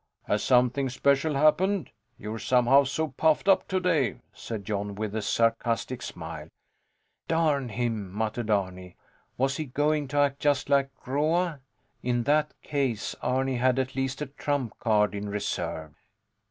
Has something special happened? You're somehow so puffed up today, said Jon with a sarcastic smile. Darn him! muttered Arni. Was he going to act just like Groa? In that case, Arni had at least a trump card in reserve.